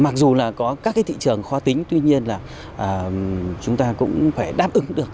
mặc dù là có các cái thị trường khó tính tuy nhiên là chúng ta cũng phải đáp ứng được